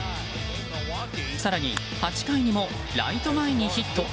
更に８回にもライト前にヒット。